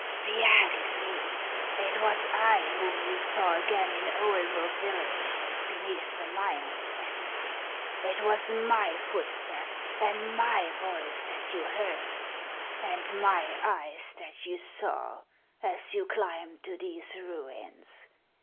Spiagudry, it was I whom you saw again in Oelmoa village beneath the miner's hat; it was my footstep and my voice that you heard, and my eyes that you saw as you climbed to these ruins.